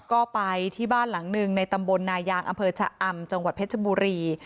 ก็ไปที่บ้านหลังหนึ่งในตำบลนายางอำเภอชะอำจังหวัดเพชรบุรี